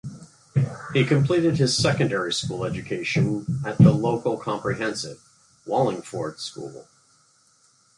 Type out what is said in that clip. He completed his secondary school education at the local comprehensive, Wallingford School.